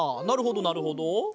なるほどなるほど。